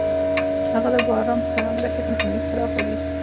هغه د باران په سمندر کې د امید څراغ ولید.